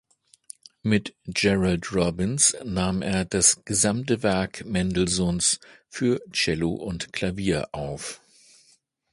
Mit Gerald Robbins nahm er das gesamte Werk Mendelssohns für Cello und Klavier auf.